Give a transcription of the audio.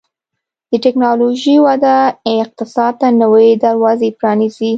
د ټکنالوژۍ وده اقتصاد ته نوي دروازې پرانیزي.